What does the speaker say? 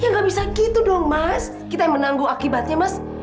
ya gak bisa gitu dong mas kita yang menangguh akibatnya mas